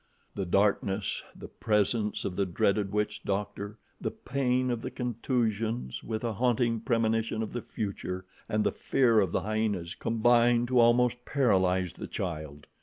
The darkness, the presence of the dreaded witch doctor, the pain of the contusions, with a haunting premonition of the future, and the fear of the hyenas combined to almost paralyze the child.